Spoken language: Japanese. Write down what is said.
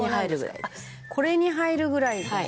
これに入るぐらいです。